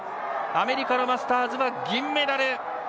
アメリカのマスターズは銀メダル！